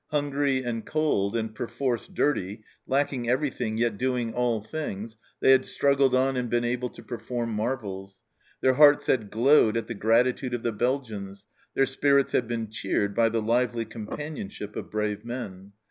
Hungry and cold, and perforce dirty, lacking everything yet doing all things, they had struggled on and been able to perform marvels ; their hearts had glowed at the gratitude of the Belgians, their spirits had been cheered by the lively companionship of brave men.